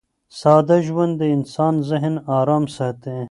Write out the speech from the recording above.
ساده ژوند د انسان ذهن ارام ساتي.